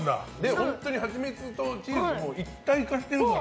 本当に蜂蜜とチーズも一体化してるから。